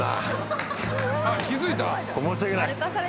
申し訳ない。